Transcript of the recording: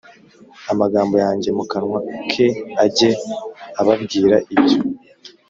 amagambo yanjye mu kanwa ke ajye ababwira ibyo